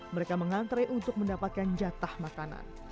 mereka mengantre untuk mendapatkan jatah makanan